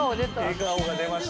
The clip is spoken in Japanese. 笑顔が出ました。